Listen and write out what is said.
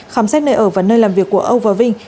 khám xét nơi ở và nơi làm việc của âu và vinh